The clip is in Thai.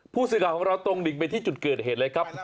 ผู้สินะของเราตรงนึงไปที่จุดเกิดเหตุเลยครับ